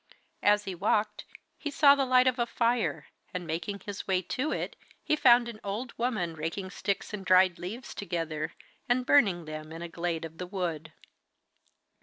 As he walked he saw the light of a fire, and making his way to it he found an old woman raking sticks and dried leaves together, and burning them in a glade of the wood.